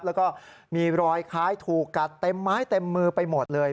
แล้วก็มีรอยคล้ายถูกกัดเต็มไม้เต็มมือไปหมดเลย